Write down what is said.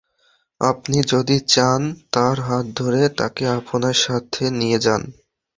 আপনি যদি চান, তার হাত ধরে তাকে আপনার সাথে নিয়ে যান!